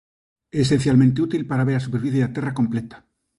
É esencialmente útil para ver a superficie da Terra completa.